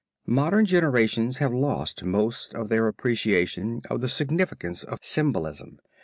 Modern generations have lost most of their appreciation of the significance of symbolism.